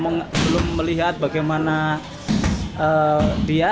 saya belum melihat bagaimana dia